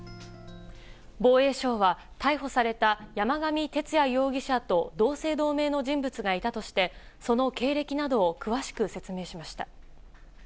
防衛省は逮捕された山上徹也容疑者と同姓同名の人物がいたとしてその経歴などを詳しく説明しました。